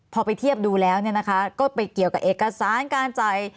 พอไปเทียบดูแล้วก็ไปเกี่ยวกับเอกสารการจ่าย